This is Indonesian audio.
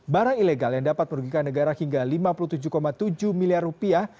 barang ilegal yang dapat merugikan negara hingga lima puluh tujuh tujuh miliar rupiah